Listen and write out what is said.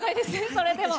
それでも。